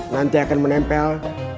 nanti akan menempel